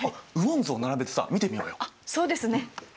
そうですねはい。